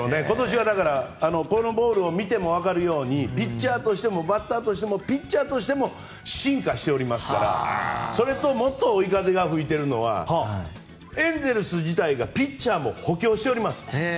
今年はこのボールを見ても分かるようにピッチャーとしてもバッターとしても進化しておりますから、それともっと追い風が吹いているのはエンゼルス自体がピッチャーも補強しております。